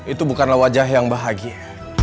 itu bukanlah wajah yang bahagia